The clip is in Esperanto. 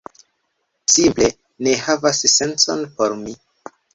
Simple ne havas sencon por mi